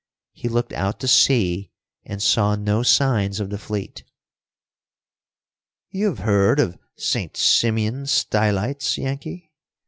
He looked out to sea and saw no signs of the fleet. "You have heard of St. Simeon Stylites, Yankee?"